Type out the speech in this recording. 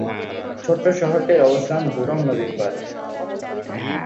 ছোট্ট শহরটির অবস্থান ধুরুং নদীর পাড়ে।